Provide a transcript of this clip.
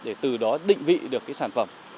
để từ đó định vị được cái sản phẩm